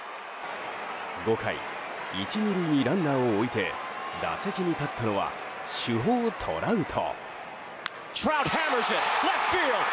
５回１、２塁にランナーを置いて打席に立ったのは主砲トラウト。